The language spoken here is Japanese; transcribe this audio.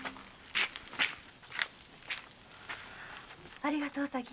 ありがとう挟霧。